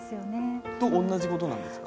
それと同じことなんですか？